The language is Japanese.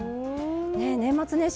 年末年始